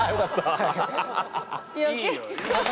はい。